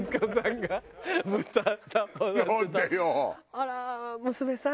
「あらー娘さん？」